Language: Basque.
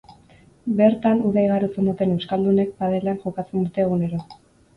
Bertan uda igarotzen duten euskaldunek padelean jokatzen dute egunero.